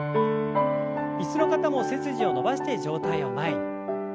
椅子の方も背筋を伸ばして上体を前に。